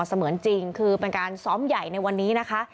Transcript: เสมือนจริงคือเป็นการซ้อมใหญ่ในวันนี้นะคะ